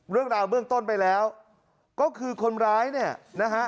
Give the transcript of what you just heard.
เรื่องราวเบื้องต้นไปแล้วก็คือคนร้ายเนี่ยนะฮะ